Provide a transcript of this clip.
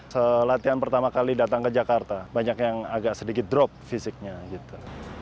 setelah latihan pertama kali datang ke jakarta banyak yang agak sedikit drop fisiknya gitu